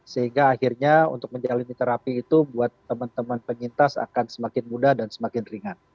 sehingga akhirnya untuk menjalani terapi itu buat teman teman penyintas akan semakin mudah dan semakin ringan